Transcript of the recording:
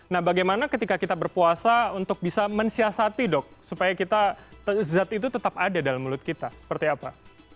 nah bagaimana ketika kita berpuasa untuk bisa mensiasati dok supaya kita zat itu tetap ada dalam mulut kita seperti apa